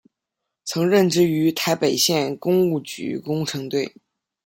曾任职于台北县工务局工程队。